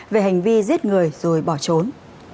về hành vi giết người rồi bỏ trốn